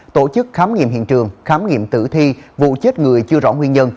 tổ chức khám nghiệm hiện trường khám nghiệm tử thi vụ chết người chưa rõ nguyên nhân